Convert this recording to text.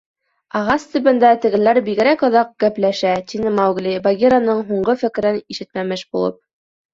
— Ағас төбөндә тегеләр бигерәк оҙаҡ гәпләшә, — тине Маугли, Багираның һуңғы фекерен ишетмәмеш булып.